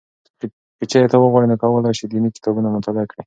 که چېرې ته وغواړې نو کولای شې دیني کتابونه مطالعه کړې.